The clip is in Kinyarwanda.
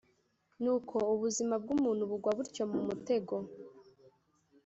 Nuko ubuzima bw’umuntu bugwa butyo mu mutego,